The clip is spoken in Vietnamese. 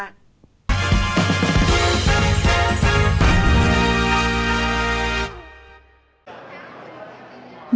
tiếng hát asean cộng ba